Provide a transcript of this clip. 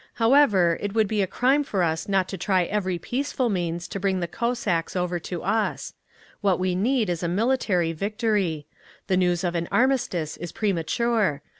However, it would be a crime for us not to try every peaceful means to bring the Cossacks over to us…. What we need is a military victory…. The news of an armistice is premature.